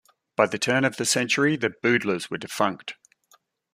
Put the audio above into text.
By the turn of the century the Boodlers were defunct.